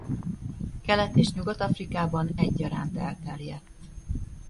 Kelet- és Nyugat-Afrikában egyaránt elterjedt.